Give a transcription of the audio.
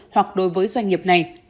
hoặc đối với doanh nghiệp này